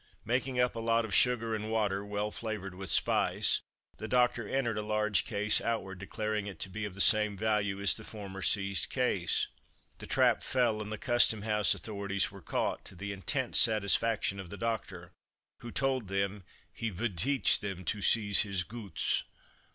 Making up a lot of sugar and water, well flavoured with spice, the doctor entered a large case "outward," declaring it to be of the same value as the former seized case. The trap fell, and the Custom house authorities were caught, to the intense satisfaction of the doctor, who told them he "vould teach them to seize his goots!"